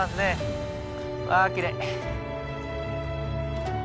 わあきれい。